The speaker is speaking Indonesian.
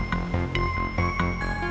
saya mau dibawa kemana